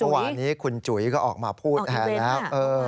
เมื่อวานนี้คุณจุ๋ยก็ออกมาพูดแทนแล้ว